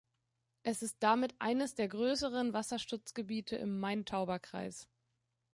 Es ist damit eines der größeren Wasserschutzgebiete im Main-Tauber-Kreis.